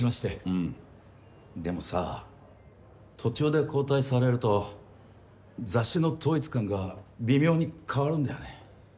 うんでもさぁ途中で交代されると雑誌の統一感が微妙に変わるんだよね。